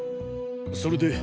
それで？